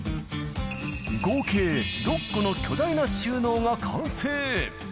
合計６個の巨大な収納が完成。